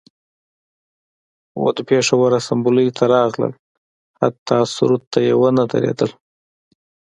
و د پیښور اسامبلۍ ته راغلل حتی سرود ته یې ونه دریدل